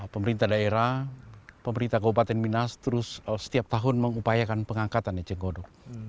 pemerintah daerah pemerintah kabupaten minas terus setiap tahun mengupayakan pengangkatan di cenggodo